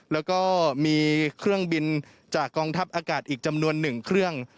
แล้วก็มีเครื่องบินจากกองทัพอากาศอีกจำนวน๑เครื่อง